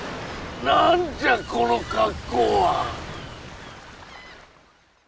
何じゃこの格好は！？